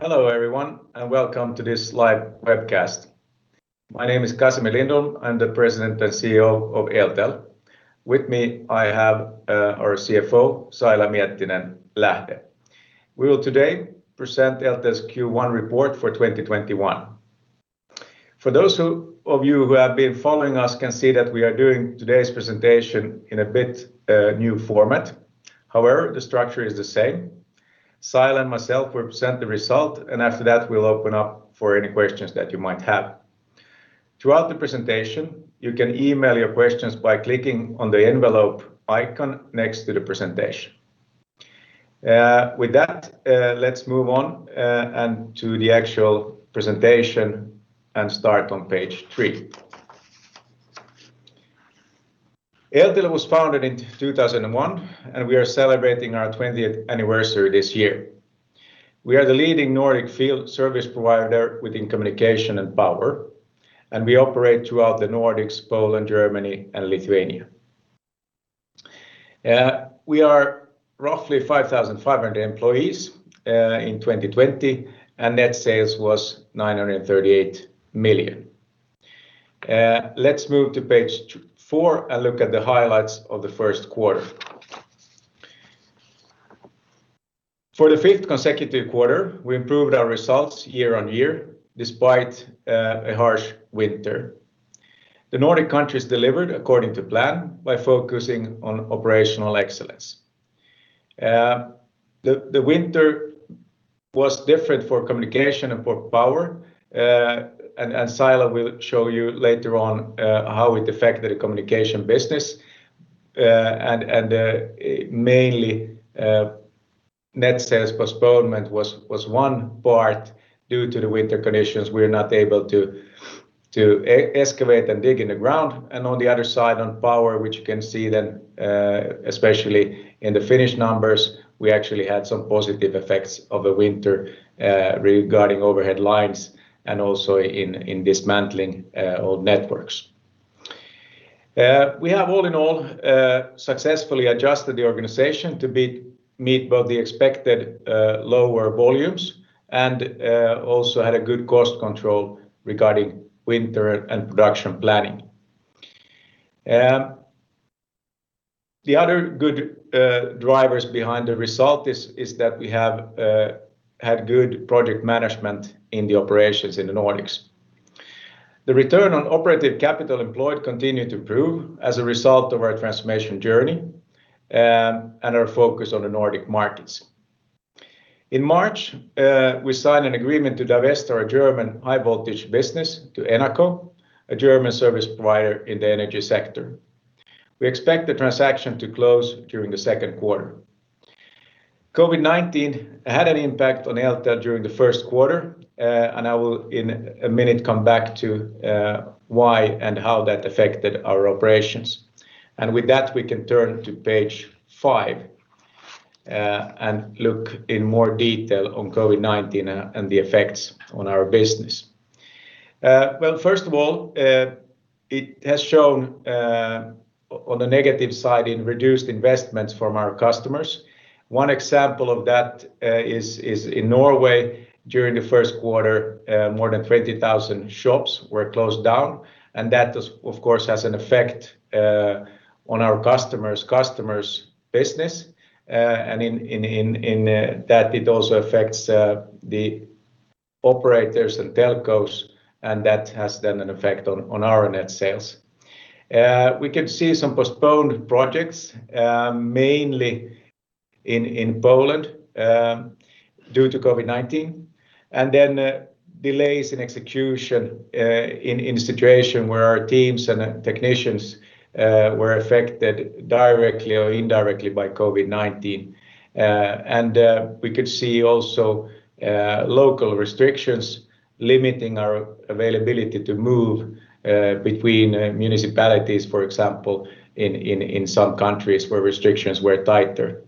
Hello, everyone, and welcome to this live webcast. My name is Casimir Lindholm. I'm the President and CEO of Eltel. With me, I have our CFO, Saila Miettinen-Lähde. We will today present Eltel's Q1 report for 2021. For those of you who have been following us can see that we are doing today's presentation in a bit new format. The structure is the same. Saila and myself will present the result, and after that, we'll open up for any questions that you might have. Throughout the presentation, you can email your questions by clicking on the envelope icon next to the presentation. With that, let's move on to the actual presentation and start on page three. Eltel was founded in 2001, and we are celebrating our 20th anniversary this year. We are the leading Nordic field service provider within communication and power, and we operate throughout the Nordics, Poland, Germany, and Lithuania. We are roughly 5,500 employees in 2020, and net sales was 938 million. Let's move to page four and look at the highlights of the first quarter. For the fifth consecutive quarter, we improved our results year-on-year despite a harsh winter. The Nordic countries delivered according to plan by focusing on operational excellence. The winter was different for communication and for power. Saila will show you later on how it affected the communication business. Mainly net sales postponement was one part due to the winter conditions. We're not able to excavate and dig in the ground. On the other side, on power, which you can see then especially in the Finnish numbers, we actually had some positive effects of the winter regarding overhead lines and also in dismantling old networks. We have all in all successfully adjusted the organization to meet both the expected lower volumes and also had a good cost control regarding winter and production planning. The other good drivers behind the result is that we have had good project management in the operations in the Nordics. The return on operative capital employed continued to improve as a result of our transformation journey and our focus on the Nordic markets. In March, we signed an agreement to divest our German high voltage business to ENACO, a German service provider in the energy sector. We expect the transaction to close during the second quarter. COVID-19 had an impact on Eltel during the first quarter. I will in a minute come back to why and how that affected our operations. With that, we can turn to page five and look in more detail on COVID-19 and the effects on our business. Well, first of all, it has shown on the negative side in reduced investments from our customers. One example of that is in Norway during the first quarter more than 20,000 shops were closed down. That of course, has an effect on our customer's business. In that it also affects the operators and telcos. That has then an effect on our net sales. We could see some postponed projects mainly in Poland due to COVID-19. Then delays in execution in a situation where our teams and technicians were affected directly or indirectly by COVID-19. We could see also local restrictions limiting our availability to move between municipalities, for example, in some countries where restrictions were tighter.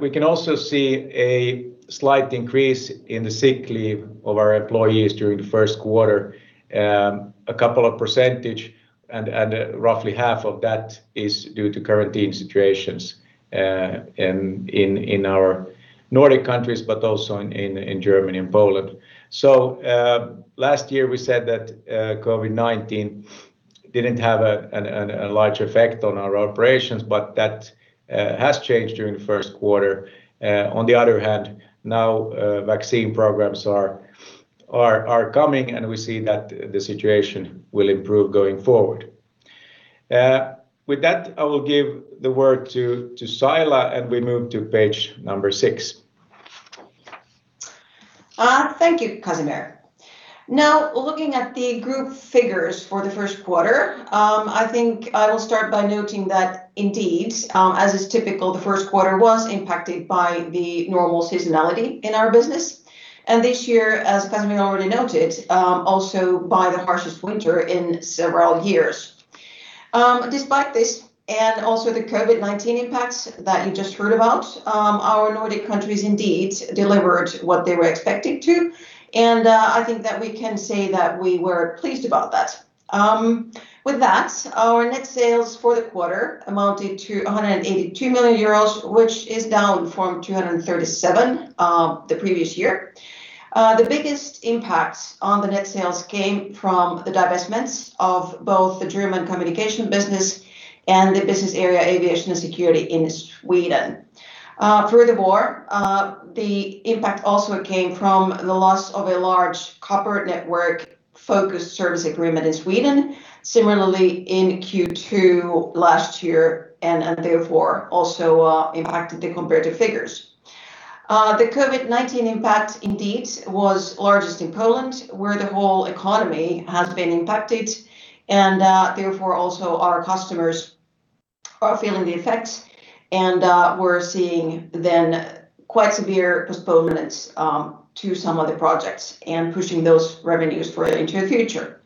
We can also see a slight increase in the sick leave of our employees during the first quarter. A couple of percentage and roughly half of that is due to quarantine situations in our Nordic countries, but also in Germany and Poland. Last year we said that COVID-19 didn't have a large effect on our operations, but that has changed during the first quarter. On the other hand, now vaccine programs are coming, and we see that the situation will improve going forward. With that, I will give the word to Saila, and we move to page number six. Thank you, Casimir. Now looking at the group figures for the first quarter. I think I will start by noting that indeed, as is typical, the first quarter was impacted by the normal seasonality in our business. This year, as Casimir already noted, also by the harshest winter in several years. Despite this, and also the COVID-19 impacts that you just heard about, our Nordic countries indeed delivered what they were expected to. I think that we can say that we were pleased about that. With that, our net sales for the quarter amounted to 182 million euros, which is down from 237 the previous year. The biggest impacts on the net sales came from the divestments of both the German communication business and the business area aviation and security in Sweden. The impact also came from the loss of a large copper network-focused service agreement in Sweden, similarly in Q2 last year, and therefore also impacted the comparative figures. The COVID-19 impact indeed was largest in Poland, where the whole economy has been impacted and therefore also our customers are feeling the effects, and we're seeing then quite severe postponements to some of the projects and pushing those revenues further into the future.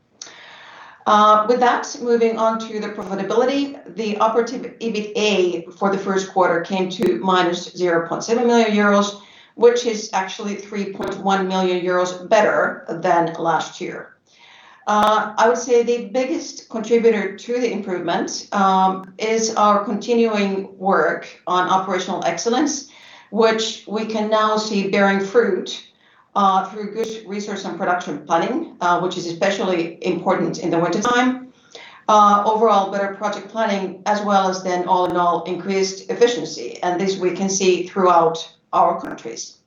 With that, moving on to the profitability. The operative EBITA for the first quarter came to minus 0.7 million euros, which is actually 3.1 million euros better than last year. I would say the biggest contributor to the improvement is our continuing work on operational excellence, which we can now see bearing fruit through good research and production planning, which is especially important in the wintertime. Overall better project planning as well as then all in all increased efficiency, and this we can see throughout our countries.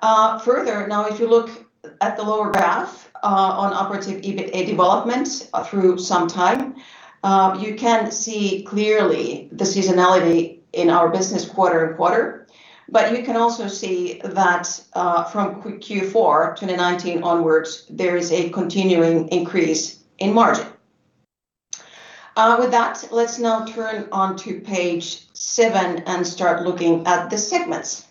Now if you look at the lower graph on operative EBITA developments through some time, you can see clearly the seasonality in our business quarter and quarter. You can also see that from Q4 2019 onwards, there is a continuing increase in margin. With that, let's now turn on to page seven and start looking at the segments.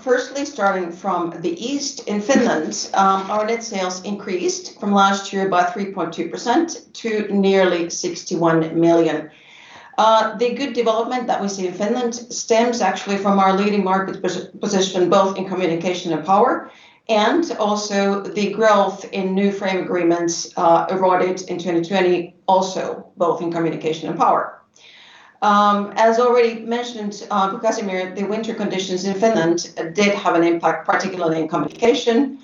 Firstly, starting from the east in Finland, our net sales increased from last year by 3.2% to nearly 61 million. The good development that we see in Finland stems actually from our leading market position both in communication and power, and also the growth in new frame agreements awarded in 2020, also both in communication and power. As already mentioned, Casimir, the winter conditions in Finland did have an impact, particularly in communication,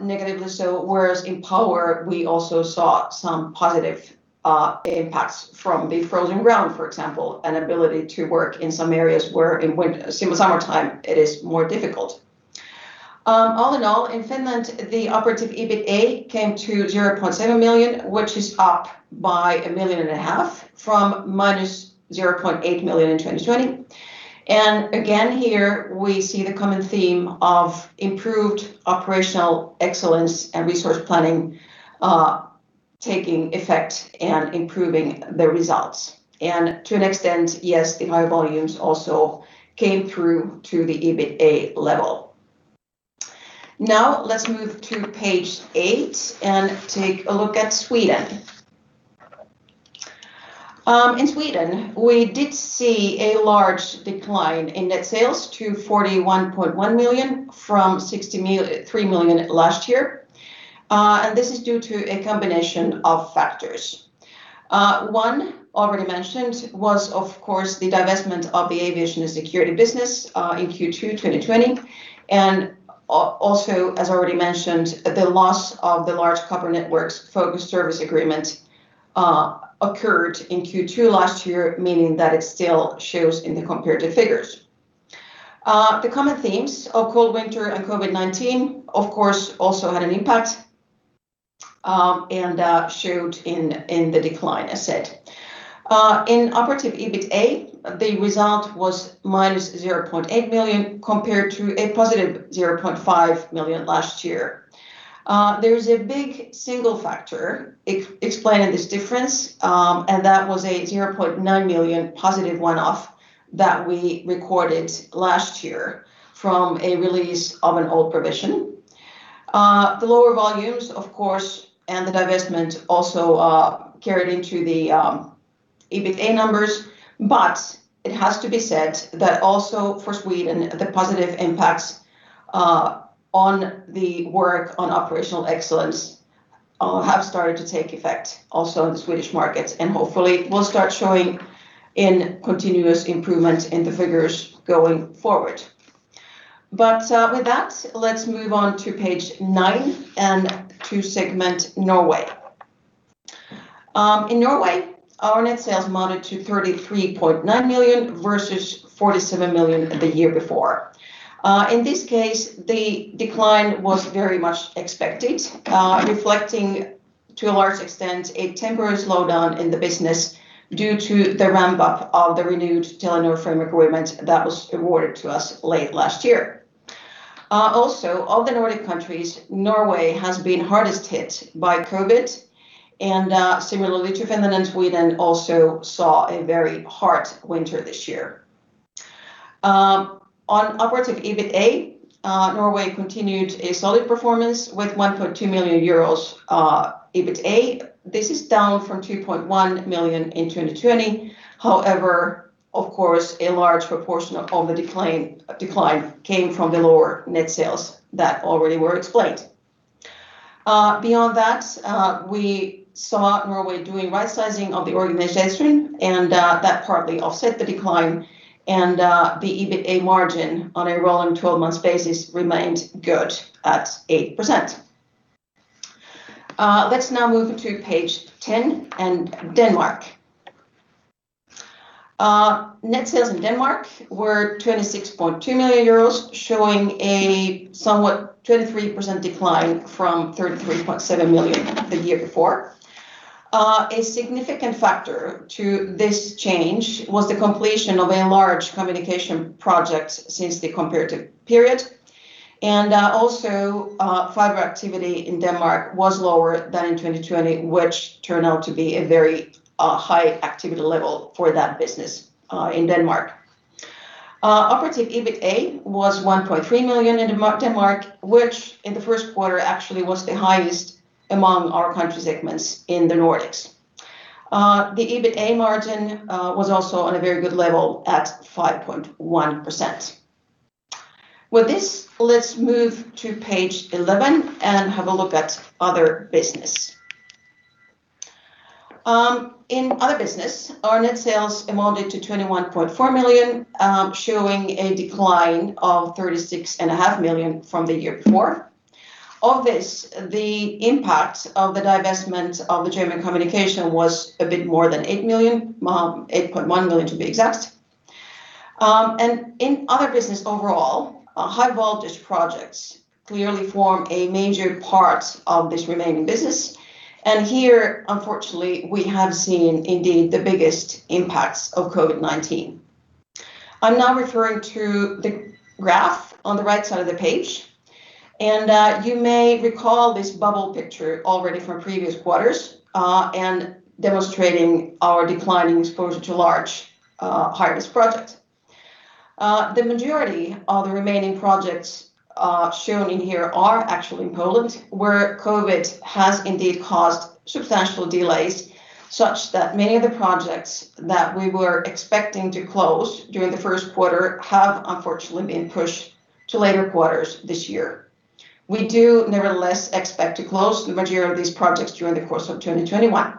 negatively so, whereas in power, we also saw some positive impacts from the frozen ground, for example, and ability to work in some areas where in summer time it is more difficult. All in all, in Finland, the operative EBITA came to 0.7 million, which is up by 1.5 million from minus 0.8 million in 2020. Again, here we see the common theme of improved operational excellence and resource planning taking effect and improving the results. To an extent, yes, the high volumes also came through to the EBITA level. Let's move to page eight and take a look at Sweden. In Sweden, we did see a large decline in net sales to 41.1 million from 63 million last year. This is due to a combination of factors. One already mentioned was, of course, the divestment of the aviation and security business in Q2 2020, and also, as already mentioned, the loss of the large copper networks-focused service agreement occurred in Q2 last year, meaning that it still shows in the comparative figures. The common themes of cold winter and COVID-19, of course, also had an impact and showed in the decline, as said. In operative EBITA, the result was -0.8 million compared to a 0.5 million last year. There's a big single factor explaining this difference, and that was a 0.9 million positive one-off that we recorded last year from a release of an old provision. The lower volumes, of course, and the divestment also carried into the EBITA numbers. It has to be said that also for Sweden, the positive impacts on the work on operational excellence have started to take effect also in the Swedish markets and hopefully will start showing in continuous improvements in the figures going forward. With that, let's move on to page nine and to segment Norway. In Norway, our net sales amounted to 33.9 million versus 47 million the year before. In this case, the decline was very much expected, reflecting to a large extent a temporary slowdown in the business due to the ramp-up of the renewed Telenor frame agreement that was awarded to us late last year. Also, of the Nordic countries, Norway has been hardest hit by COVID, and similarly to Finland and Sweden, also saw a very hard winter this year. On operative EBITA, Norway continued a solid performance with 1.2 million euros. EBITA, this is down from 2.1 million in 2020. Of course, a large proportion of the decline came from the lower net sales that already were explained. Beyond that, we saw Norway doing rightsizing of the organization, and that partly offset the decline, and the EBITA margin on a rolling 12 months basis remained good at 8%. Let's now move to page 10 and Denmark. Net sales in Denmark were 26.2 million euros, showing a somewhat 23% decline from 33.7 million the year before. A significant factor to this change was the completion of a large communication project since the comparative period. Fiber activity in Denmark was lower than in 2020, which turned out to be a very high activity level for that business in Denmark. Operative EBITA was 1.3 million in Denmark, which in the first quarter actually was the highest among our country segments in the Nordics. The EBITA margin was also on a very good level at 5.1%. With this, let's move to page 11 and have a look at other business. In other business, our net sales amounted to 21.4 million, showing a decline of 36.5 million from the year before. Of this, the impact of the divestment of the German High Voltage business was a bit more than 8 million, 8.1 million to be exact. In other business overall, high voltage projects clearly form a major part of this remaining business. Here, unfortunately, we have seen indeed the biggest impacts of COVID-19. I'm now referring to the graph on the right side of the page. You may recall this bubble picture already from previous quarters and demonstrating our declining exposure to large, high-risk projects. The majority of the remaining projects shown in here are actually in Poland, where COVID-19 has indeed caused substantial delays, such that many of the projects that we were expecting to close during the Q1 have unfortunately been pushed to later quarters this year. We do nevertheless expect to close the majority of these projects during the course of 2021.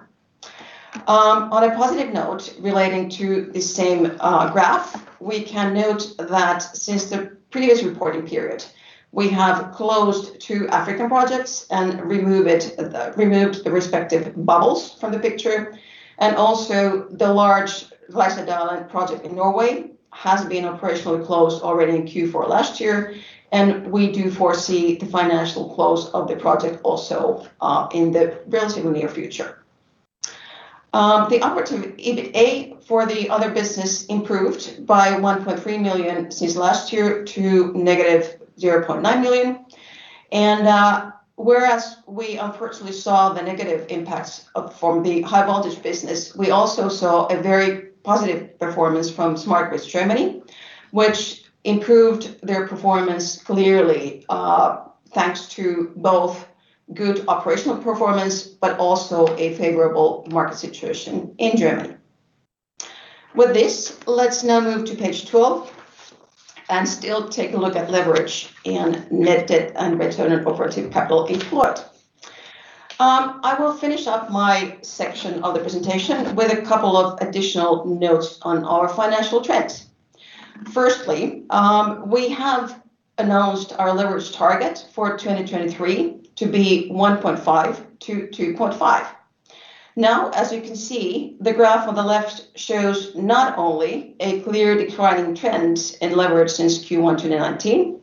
On a positive note relating to the same graph, we can note that since the previous reporting period, we have closed two African projects and removed the respective bubbles from the picture. Also the large Reisadalen project in Norway has been operationally closed already in Q4 last year, and we do foresee the financial close of the project also in the relatively near future. The operative EBITA for the other business improved by 1.3 million since last year to negative 0.9 million. Whereas we unfortunately saw the negative impacts from the high voltage business, we also saw a very positive performance from Smart Grids Germany, which improved their performance clearly thanks to both good operational performance, but also a favorable market situation in Germany. Let's now move to page 12 and still take a look at leverage and net debt and return on operative capital employed. I will finish up my section of the presentation with a couple of additional notes on our financial trends. Firstly, we have announced our leverage target for 2023 to be 1.5-2.5. Now, as you can see, the graph on the left shows not only a clear declining trend in leverage since Q1 2019,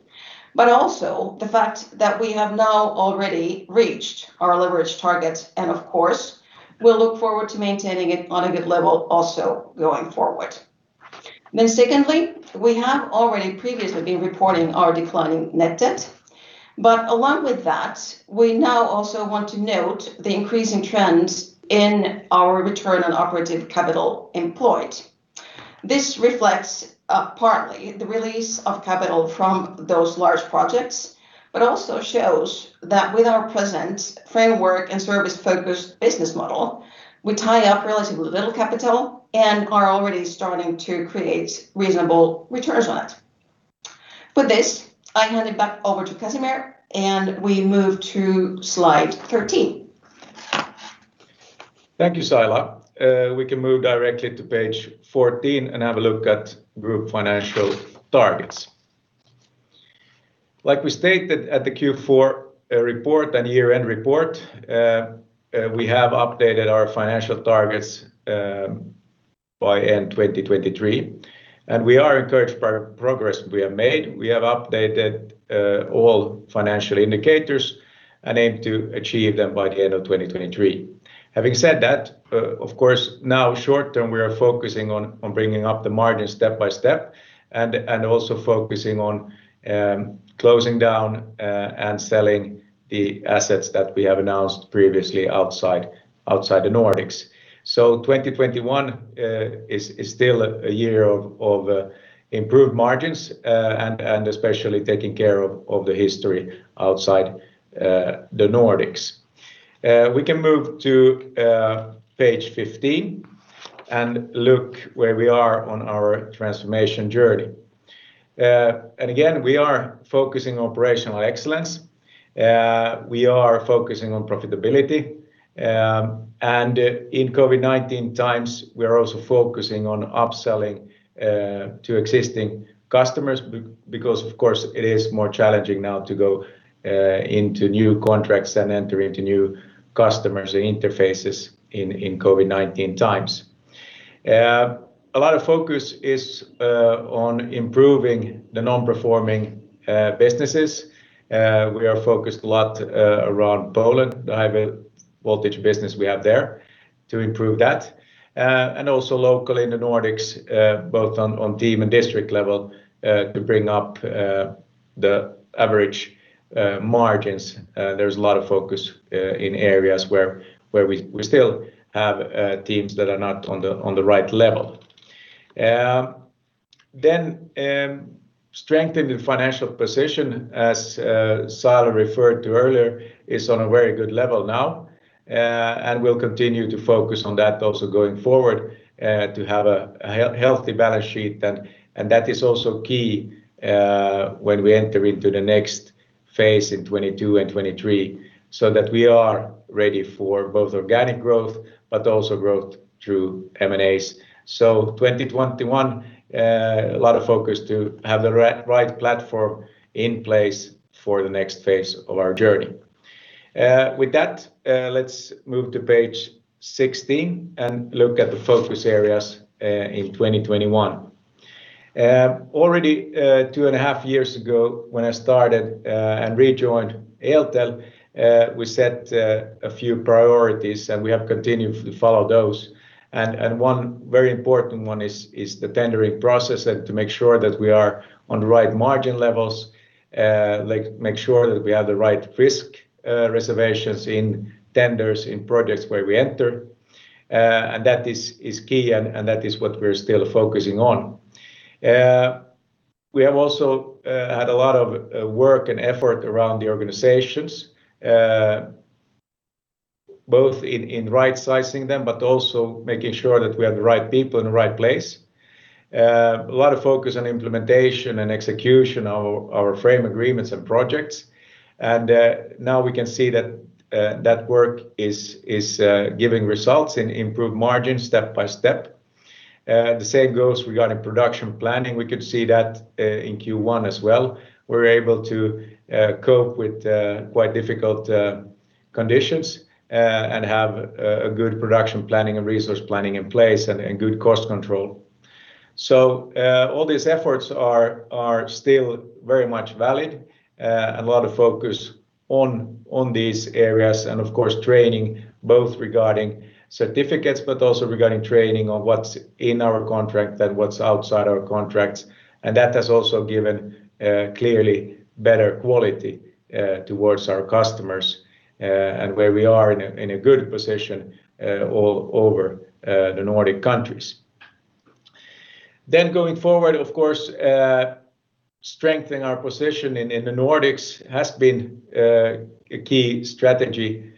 but also the fact that we have now already reached our leverage targets, and of course, we'll look forward to maintaining it on a good level also going forward. Secondly, we have already previously been reporting our declining net debt, but along with that, we now also want to note the increasing trends in our return on operative capital employed. This reflects partly the release of capital from those large projects, but also shows that with our present framework and service-focused business model, we tie up relatively little capital and are already starting to create reasonable returns on it. With this, I hand it back over to Casimir, and we move to slide 13. Thank you, Saila. We can move directly to page 14 and have a look at group financial targets. Like we stated at the Q4 report and year-end report, we have updated our financial targets by end 2023. We are encouraged by progress we have made. We have updated all financial indicators and aim to achieve them by the end of 2023. Having said that, of course now short-term, we are focusing on bringing up the margin step by step and also focusing on closing down and selling the assets that we have announced previously outside the Nordics. 2021 is still a year of improved margins, and especially taking care of the history outside the Nordics. We can move to page 15. Look where we are on our transformation journey. Again, we are focusing on operational excellence. We are focusing on profitability. In COVID-19 times, we are also focusing on upselling to existing customers because, of course, it is more challenging now to go into new contracts and enter into new customers and interfaces in COVID-19 times. A lot of focus is on improving the non-performing businesses. We are focused a lot around Poland, the high voltage business we have there, to improve that. Also locally in the Nordics, both on team and district level, to bring up the average margins. There's a lot of focus in areas where we still have teams that are not on the right level. Strengthening the financial position, as Saila referred to earlier, is on a very good level now. We'll continue to focus on that also going forward to have a healthy balance sheet. That is also key when we enter into the next phase in 2022 and 2023, so that we are ready for both organic growth, but also growth through M&As. 2021, a lot of focus to have the right platform in place for the next phase of our journey. With that, let's move to page 16 and look at the focus areas in 2021. Already 2.5 years ago, when I started and rejoined Eltel, we set a few priorities, and we have continued to follow those. One very important one is the tendering process and to make sure that we are on the right margin levels, make sure that we have the right risk reservations in tenders, in projects where we enter. That is key, and that is what we're still focusing on. We have also had a lot of work and effort around the organizations. Both in right-sizing them, but also making sure that we have the right people in the right place. A lot of focus on implementation and execution of our frame agreements and projects. Now we can see that that work is giving results in improved margins step by step. The same goes regarding production planning. We could see that in Q1 as well. We're able to cope with quite difficult conditions and have a good production planning and resource planning in place and good cost control. All these efforts are still very much valid. A lot of focus on these areas and of course, training both regarding certificates but also regarding training on what's in our contract and what's outside our contracts. That has also given clearly better quality towards our customers and where we are in a good position all over the Nordic countries. Going forward, of course, strengthening our position in the Nordics has been a key strategy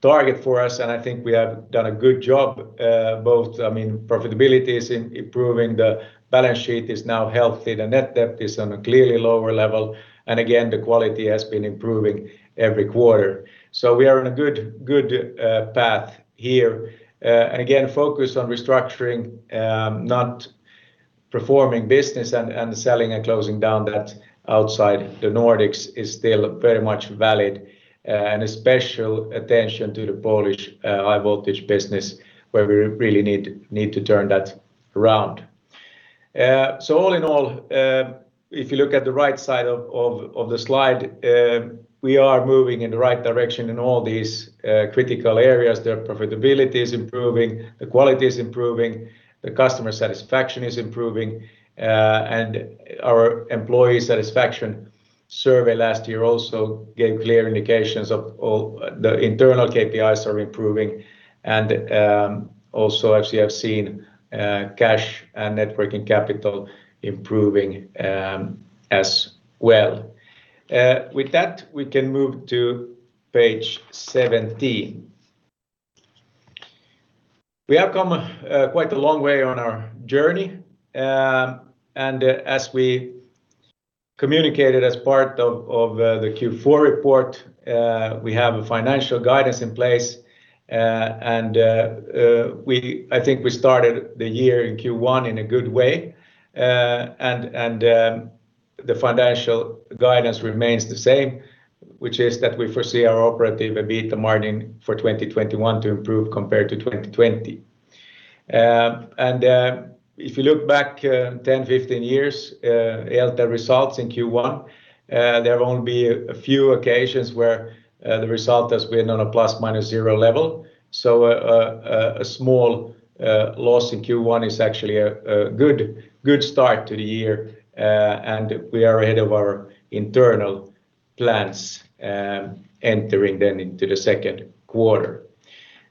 target for us, and I think we have done a good job both. Profitability is improving, the balance sheet is now healthy, the net debt is on a clearly lower level, and again, the quality has been improving every quarter. We are on a good path here. Again, focus on restructuring non-performing business and selling and closing down that outside the Nordics is still very much valid, and a special attention to the Polish high-voltage business, where we really need to turn that around. All in all, if you look at the right side of the slide, we are moving in the right direction in all these critical areas. The profitability is improving, the quality is improving, the customer satisfaction is improving. Our employee satisfaction survey last year also gave clear indications of all the internal KPIs are improving. Also actually have seen cash and net working capital improving as well. With that, we can move to page 17. We have come quite a long way on our journey. As we communicated as part of the Q4 report, we have a financial guidance in place. I think we started the year in Q1 in a good way. The financial guidance remains the same, which is that we foresee our operative EBITA margin for 2021 to improve compared to 2020. If you look back 10, 15 years Eltel results in Q1, there have only be a few occasions where the result has been on a plus/minus zero level. A small loss in Q1 is actually a good start to the year, and we are ahead of our internal plans entering then into the second quarter.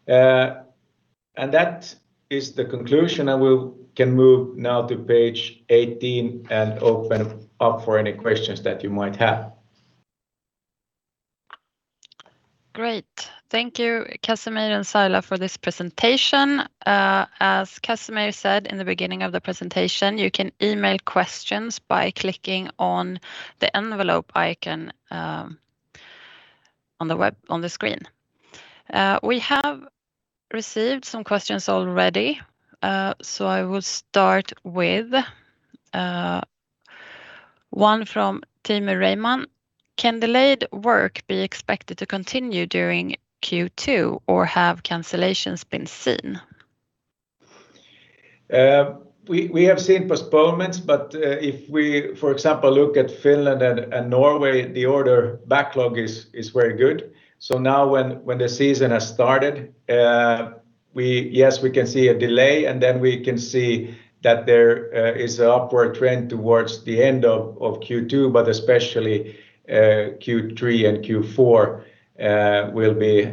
That is the conclusion, and we can move now to page 18 and open up for any questions that you might have. Great. Thank you, Casimir and Saila Miettinen-Lähde, for this presentation. As Casimir said in the beginning of the presentation, you can email questions by clicking on the envelope icon on the screen. We have received some questions already. I will start with one from Tim Reiman. Can delayed work be expected to continue during Q2, or have cancellations been seen? We have seen postponements, but if we, for example, look at Finland and Norway, the order backlog is very good. Now when the season has started, yes, we can see a delay, and then we can see that there is an upward trend towards the end of Q2, but especially Q3 and Q4 will be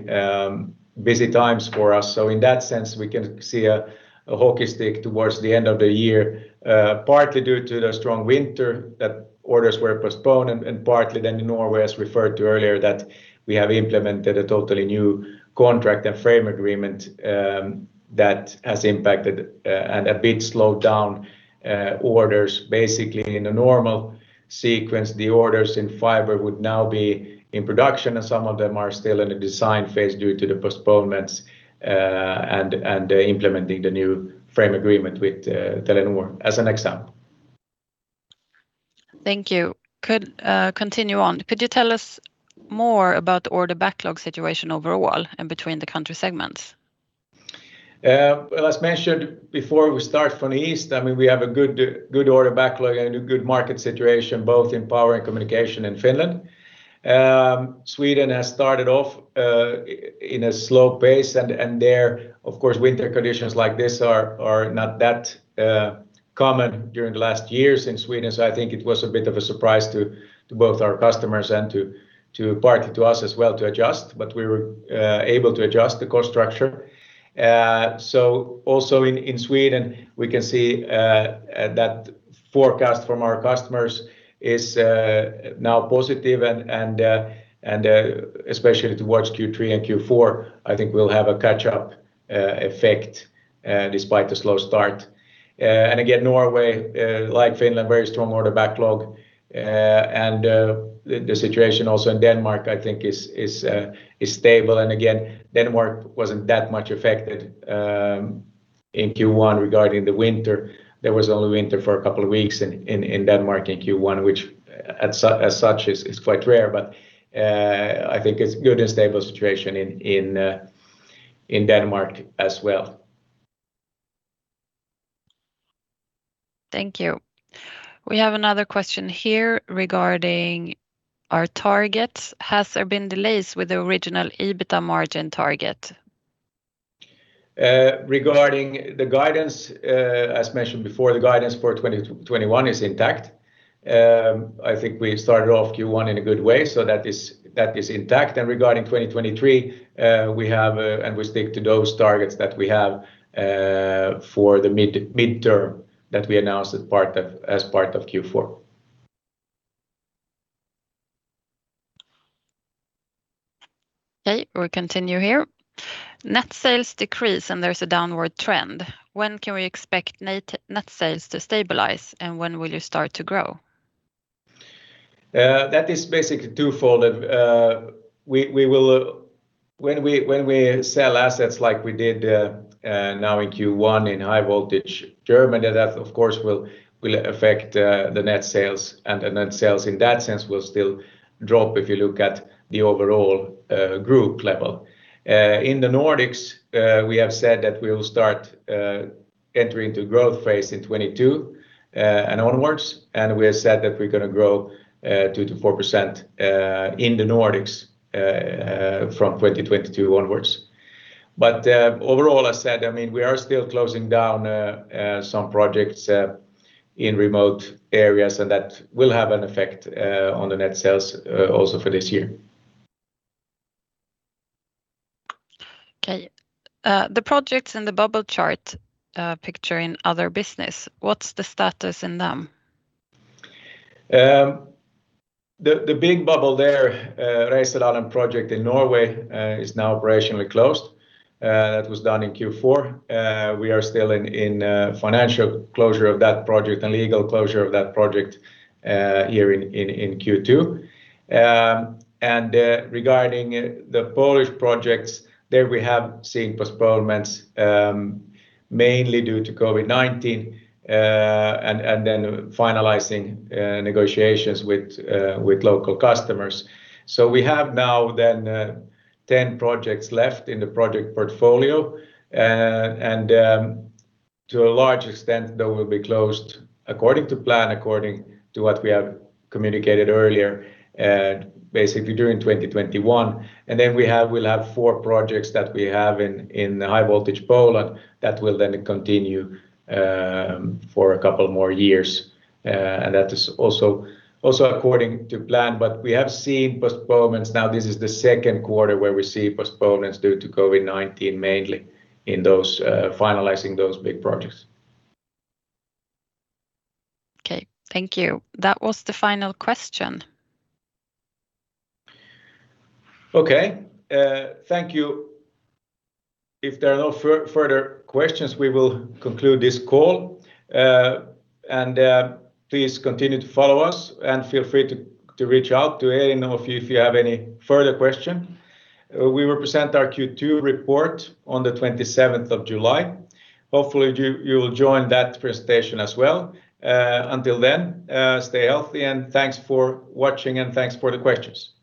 busy times for us. In that sense, we can see a hockey stick towards the end of the year, partly due to the strong winter that orders were postponed, and partly then in Norway, as referred to earlier, that we have implemented a totally new contract and frame agreement that has impacted and a bit slowed down orders. In a normal sequence, the orders in fiber would now be in production, and some of them are still in the design phase due to the postponements and implementing the new frame agreement with Telenor as an example. Thank you. Continue on. Could you tell us more about the order backlog situation overall and between the country segments? As mentioned before, we start from the east. We have a good order backlog and a good market situation both in power and communication in Finland. There, of course, winter conditions like this are not that common during the last years in Sweden. I think it was a bit of a surprise to both our customers and partly to us as well to adjust. We were able to adjust the cost structure. Also in Sweden, we can see that forecast from our customers is now positive and especially towards Q3 and Q4, I think we'll have a catch-up effect despite the slow start. Again, Norway, like Finland, very strong order backlog. The situation also in Denmark, I think, is stable. Again, Denmark wasn't that much affected in Q1 regarding the winter. There was only winter for a couple of weeks in Denmark in Q1, which as such is quite rare, but I think it's good and stable situation in Denmark as well. Thank you. We have another question here regarding our targets. Has there been delays with the original EBITA margin target? Regarding the guidance, as mentioned before, the guidance for 2021 is intact. I think we started off Q1 in a good way, so that is intact. Regarding 2023, and we stick to those targets that we have for the midterm that we announced as part of Q4. Okay, we'll continue here. Net sales decrease and there's a downward trend. When can we expect net sales to stabilize, and when will you start to grow? That is basically two-fold. When we sell assets like we did now in Q1 in High Voltage German, that of course will affect the net sales, and the net sales in that sense will still drop if you look at the overall group level. In the Nordics, we have said that we will start entering into growth phase in 2022 and onwards, and we have said that we're going to grow 2%-4% in the Nordics from 2022 onwards. Overall, as said, we are still closing down some projects in remote areas, and that will have an effect on the net sales also for this year. Okay. The projects in the bubble chart picture in other business, what's the status in them? The big bubble there, Reisadalen project in Norway, is now operationally closed. That was done in Q4. We are still in financial closure of that project and legal closure of that project here in Q2. Regarding the Polish projects, there we have seen postponements mainly due to COVID-19 and then finalizing negotiations with local customers. We have now then 10 projects left in the project portfolio, and to a large extent, they will be closed according to plan, according to what we have communicated earlier, basically during 2021. We'll have four projects that we have in the high voltage Poland that will then continue for a couple more years. That is also according to plan. We have seen postponements now. This is the second quarter where we see postponements due to COVID-19, mainly in finalizing those big projects. Okay. Thank you. That was the final question. Okay. Thank you. If there are no further questions, we will conclude this call. Please continue to follow us and feel free to reach out to any of you if you have any further question. We will present our Q2 report on the 27th of July. Hopefully, you will join that presentation as well. Until then, stay healthy, and thanks for watching, and thanks for the questions.